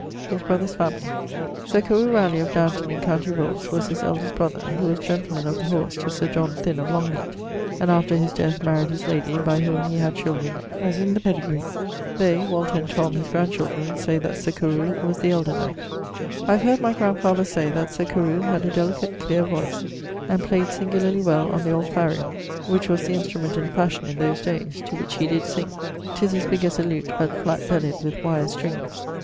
<_His brother's family._> Sir Carew Ralegh, of Downton in com. Wilts, was his eldest[LXVI.] brother, who was gentleman of the horse to Sir John Thynne of Longleate, and after his death maryed his lady; by whom he had children as in the pedigre. [LXVI.] They (Walter and Tom, his grand children) say that Sir Carew was the elder knight. I have heard my grandfather say that Sir Carew had a delicate cleare voice, and played singularly well on the olpharion[LXVII.] (which was the instrument in fashion in those dayes), to which he did sing. [LXVII.] 'Tis as big as a lute, but flatt bellyed with wire strings.